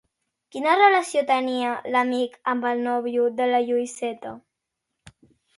Quina relació tenia l'amic amb el nòvio de la Lluïseta?